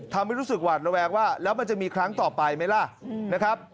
ทำให้รู้สึกหวาดระแวงว่าแล้วมันจะมีครั้งต่อไปไหมล่ะนะครับ